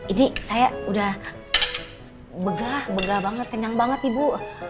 ini saya udah begah begah banget kenyang banget ibu